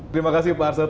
terima kasih pak arsad